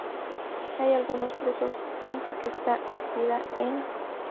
Hay algunos presos, gente que está metida en...".